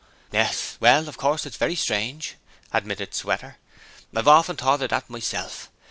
'Yes: well, of course it's very strange,' admitted Sweater. 'I've often thought of that myself.